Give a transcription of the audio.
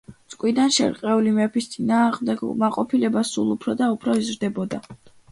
ჭკუიდან შერყეული მეფის წინააღმდეგ უკმაყოფილება სულ უფრო და უფრო იზრდებოდა.